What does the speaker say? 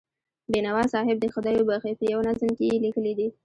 بینوا صاحب دې خدای وبښي، په یوه نظم کې یې لیکلي دي.